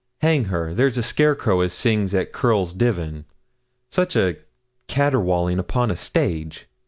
Hang her! there's a scarecrow as sings at Curl's Divan. Such a caterwauling upon a stage!